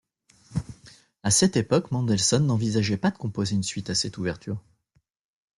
À cette époque, Mendelssohn n'envisageait pas de composer une suite à cette ouverture.